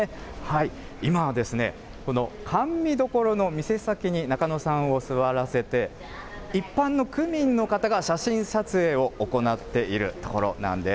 今、この甘味どころの店先にナカノさんを座らせて、一般の区民の方が写真撮影を行っているところなんです。